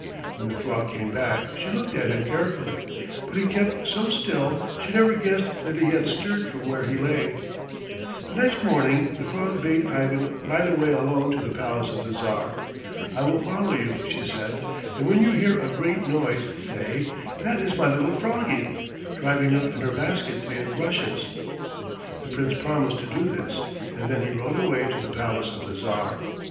When the frog came back she looked at him carefully, but he kept so still she never guessed that he had stirred from where he lay. The next morning the frog bade Ivan ride away alone to the palace of the Tsar. "I will follow you," she said, "and when you hear a great noise, say, 'That is my little Froggie, driving up in her basket made of rushes.'" The Prince promised to do this and then he rode away to the palace of the Tsar.